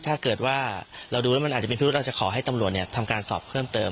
ถ้าเกิดว่าเราดูแล้วมันอาจจะเป็นพิรุธเราจะขอให้ตำรวจทำการสอบเพิ่มเติม